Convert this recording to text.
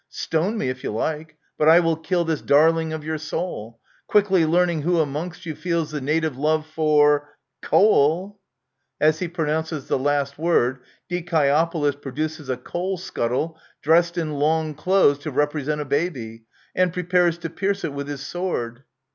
Stone me, if you like, but I will kill this darling of your soul; Quickly learning who amongst you feels the native love for —■ coal I " [As lie pronounces the last word, DioeopOlis produces a coal scuttle dressed in long clothes to represent a baby, and prepares to pierce it with his sword.